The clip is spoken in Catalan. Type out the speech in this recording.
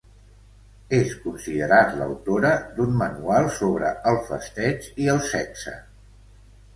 És considerat l'autora d'un manual sobre el festeig i el sexe.